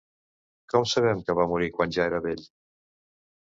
Com sabem que va morir quan ja era vell?